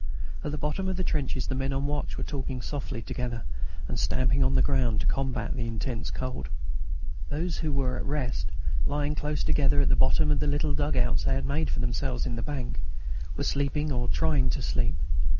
At the bottom of the trenches the men on watch were talking softly together and stamping on the ground to combat the intense cold. Those who were at rest, lying close together at the bottom of the little dug outs they had made for themselves in the bank, were sleeping or trying to sleep.